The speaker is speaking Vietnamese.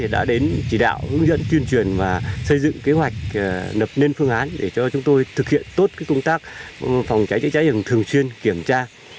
đã đến chỉ đạo hướng dẫn tuyên truyền và xây dựng kế hoạch đập lên phương án để cho chúng tôi thực hiện tốt công tác phòng cháy chữa cháy rừng thường xuyên kiểm tra